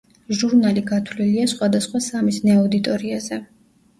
ჟურნალი გათვლილია სხვადასხვა სამიზნე აუდიტორიაზე.